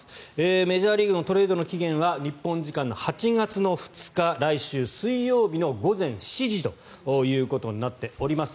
メジャーリーグのトレードの期限は日本時間の８月２日来週水曜日の午前７時ということになっております。